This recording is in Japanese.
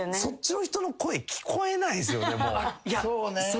そっちの人の声聞こえないんすよね